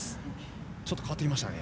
ちょっと変わってきましたね。